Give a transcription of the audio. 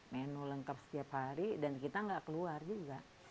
menu lengkap setiap hari dan kita nggak keluar juga